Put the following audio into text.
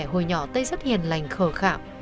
hồi nhỏ tây rất hiền lành khờ khạo